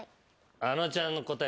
あのちゃんの答え